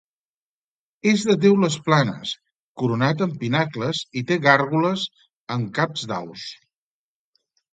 És de teules planes, coronat per pinacles i té gàrgoles amb caps d'aus.